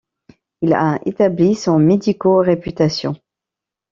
Il a établi son médicaux réputation.